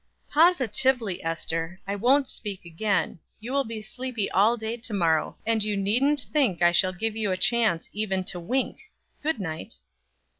"Positively, Ester, I won't speak again: you will be sleepy all day to morrow, and you needn't think I shall give you a chance even to wink. Good night."